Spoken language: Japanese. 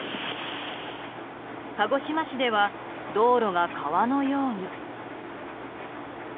鹿児島市では道路が川のように。